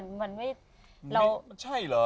ใช่เหรอ